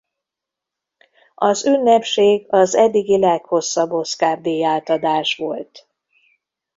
Az ünnepség az eddigi leghosszabb Oscar-díj-átadás volt.